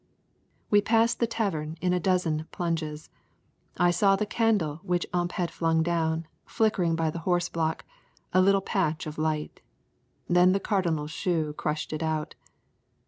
We passed the tavern in a dozen plunges. I saw the candle which Ump had flung down, flickering by the horse block, a little patch of light. Then the Cardinal's shoe crushed it out.